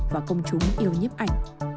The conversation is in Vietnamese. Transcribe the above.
và công chúng yêu nhấp ảnh